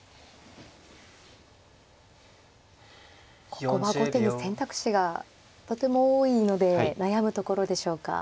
ここは後手に選択肢がとても多いので悩むところでしょうか。